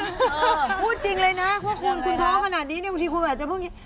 พูดดีนะพูดจริงเลยนะพวกคุณคุณท้องขนาดนี้เนี่ยบางทีคุณอาจจะพูด